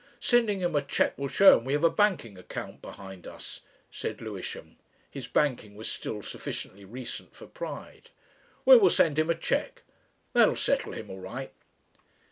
"Sending him a cheque will show him we have a banking account behind us," said Lewisham, his banking was still sufficiently recent for pride. "We will send him a cheque. That'll settle him all right."